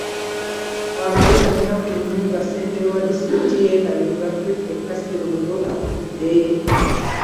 Waakayita olunaku lumu nga ssentebe wa disitulikiti y’e Kayunga, Ffeffeka Sserubogo, afudde.